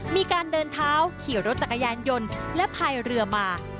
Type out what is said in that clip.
มีการเดินเท้าขี่รถจักรยานยนต์และพายเรือมา